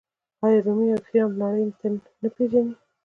آیا رومي او خیام نړۍ نه پیژني؟